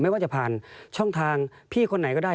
ว่าจะผ่านช่องทางพี่คนไหนก็ได้